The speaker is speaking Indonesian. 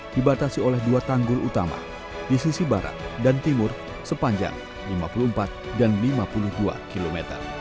dibatasi oleh dua tanggul utama di sisi barat dan timur sepanjang lima puluh empat dan lima puluh dua km